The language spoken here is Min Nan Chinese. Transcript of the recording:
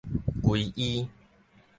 歸依